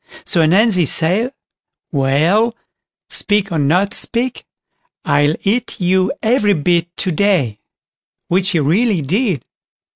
So Ananzi said, "Well, speak or not speak, I'll eat you every bit to day", which he really did.